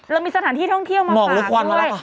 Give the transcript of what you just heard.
เรามีสถานที่ท่องเที่ยวมาฝากด้วย